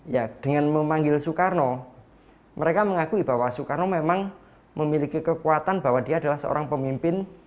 ya dengan memanggil soekarno mereka mengakui bahwa soekarno memang memiliki kekuatan bahwa dia adalah seorang pemimpin